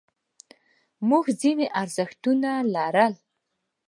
موږ ځینې ارزښتونه لرل.